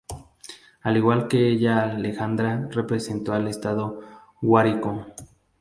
Al igual que ella Alejandra representó al estado Guárico.